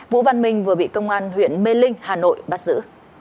vũ văn minh vừa bị công an huyện mê linh hà nội bắt giữ